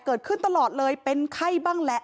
เกิดขึ้นตลอดเลยเป็นไข้บ้างแหละ